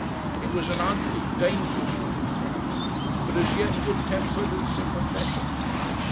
It was an ugly, dangerous looking crowd, but as yet good tempered and sympathetic.